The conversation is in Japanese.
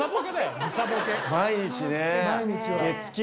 毎日ね。